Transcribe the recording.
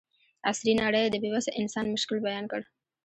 عصري نړۍ د بې وسه انسان مشکل بیان کړ.